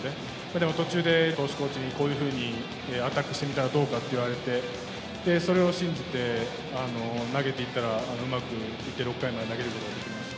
でも途中で投手コーチに、こういうふうにアタックしてみたらどうかって言われて、それを信じて投げていったら、うまくいって、６回まで投げることができました。